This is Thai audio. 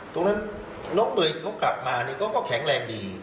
ตรงนั้นน้องเปยเขากลับมาเขาก็แข็งแรงดี